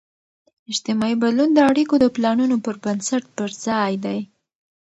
اجتماعي بدلون د اړیکو د پلانون پر بنسټ پرځای دی.